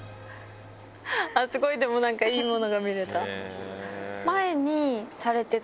ああ、すごいなんか、いいものが見れた。